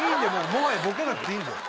もはやボケなくていいんだよ。